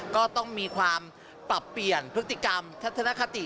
ก็ต้องมีความปรับเปลี่ยนพฤติกรรมทัศนคติ